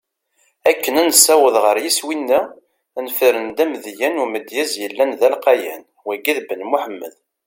Akken ad nessaweḍ ɣer yiswi-neɣ, nefren-d amedya n umedyaz yellan d alqayan: Wagi d Ben Muḥemmed.